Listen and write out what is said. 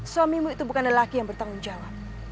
suamimu itu bukan lelaki yang bertanggung jawab